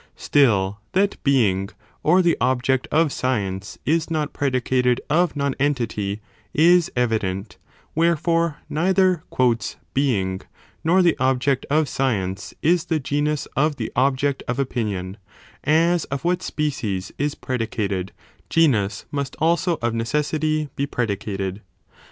Still that being, or the object of science, is not predicated of non entity, is evident, wherefore neither "being" nor the ob ject of science, is the genus of the object of opinion, as of what species is predicated, genus must also of necessity be predicated.